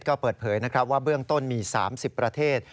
ก็เปิดเผยนะครับว่าเบื้องต้นมี๓๐ประเทศ